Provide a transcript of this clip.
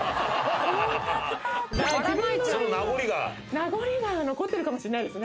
名残が残ってるかもしれないですね。